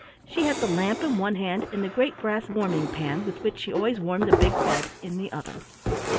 She had the lamp in one hand and the great brass warming pan, with which she always warmed the big bed, in the other.